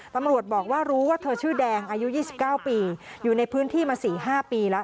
ตำรวจบอกว่ารู้ว่าเธอชื่อแดงอายุยี่สิบเก้าปีอยู่ในพื้นที่มาสี่ห้าปีละ